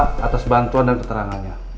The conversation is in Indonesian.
terima kasih atas bantuan dan keterangannya